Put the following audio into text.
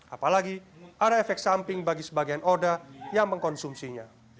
apalagi ada efek samping bagi sebagian oda yang mengkonsumsinya